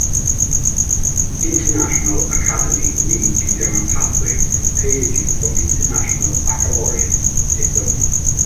International Academy leads you down a pathway that prepares you for International Baccalaureate Diploma.